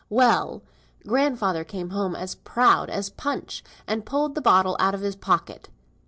"Well! grandfather came home as proud as Punch, and pulled the bottle out of his pocket.